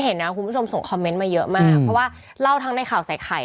เห็นนะคุณผู้ชมส่งคอมเมนต์มาเยอะมากเพราะว่าเล่าทั้งในข่าวใส่ไข่